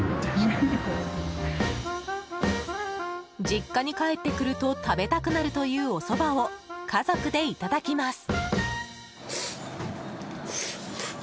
実家に帰ってくると食べたくなるというおそばを家族でいただきます。